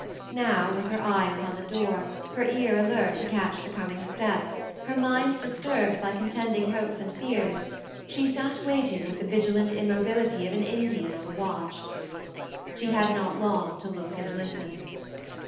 Now, with her eye upon the door, her ear alert to catch the coming step, her mind disturbed by contending hopes and fears, she sat waiting with the vigilant immobility of an Indian on the watch. She had not long to look and listen.